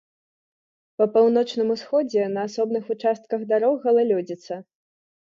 Па паўночным усходзе на асобных участках дарог галалёдзіца.